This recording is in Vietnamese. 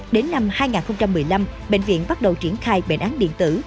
đến năm hai nghìn một mươi năm bệnh viện bắt đầu triển khai bệnh án điện tử